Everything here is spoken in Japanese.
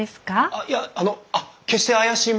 あっいやあの決して怪しい者では。